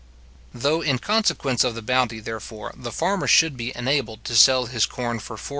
Though in consequence of the bounty, therefore, the farmer should be enabled to sell his corn for 4s.